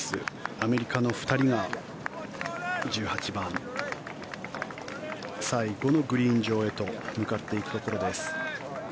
アメリカの２人が１８番最後のグリーン上へと向かっていくところです。